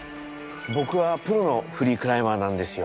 僕はプロのフリークライマーなんですよ。